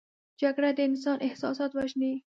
جګړه د انسان احساسات وژني